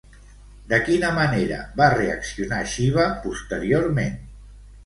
De quina manera va reaccionar Xiva posteriorment?